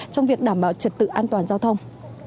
trong việc đảm bảo trật tự an toàn giao thông